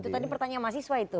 itu tadi pertanyaan mahasiswa itu